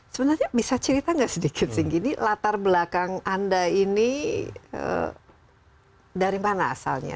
sebenarnya bisa cerita nggak sedikit singgi ini latar belakang anda ini dari mana asalnya